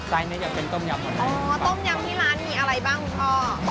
นี้จะเป็นต้มยำครับอ๋อต้มยำที่ร้านมีอะไรบ้างคุณพ่อ